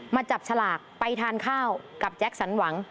มาจับฉลากไปทานข้าวกับแจ็คสันหวัง